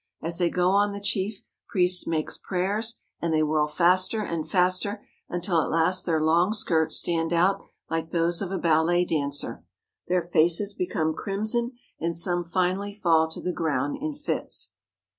As they go on the chief priest makes prayers and they whirl faster and faster, until at last their long skirts stand out like those of a ballet dancer. Their faces become crimson, and some finally fall to the ground in fits.